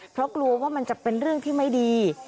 เพราะกลัวว่ามันจะเป็นเรื่องที่ไม่ดี